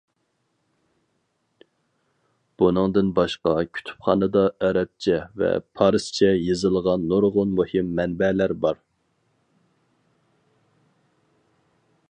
بۇنىڭدىن باشقا كۇتۇپخانىدا ئەرەبچە ۋە پارسچە يېزىلغان نۇرغۇن مۇھىم مەنبەلەر بار.